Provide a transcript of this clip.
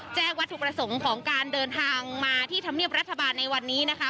วัตถุประสงค์ของการเดินทางมาที่ธรรมเนียบรัฐบาลในวันนี้นะคะ